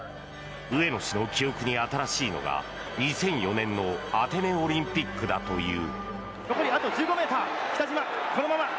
上野氏の記憶に新しいのが２００４年のアテネオリンピックだという。